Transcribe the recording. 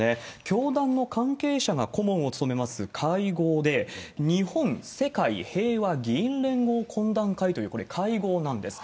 教団の関係者が顧問を務めます会合で、日本世界平和議員連合懇談会という、これ、会合なんです。